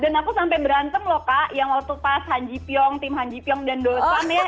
dan aku sampai berantem loh kak yang waktu pas han ji pyeong tim han ji pyeong dan dosan ya